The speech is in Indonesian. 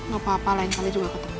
gak apa apa lain kali juga ketemu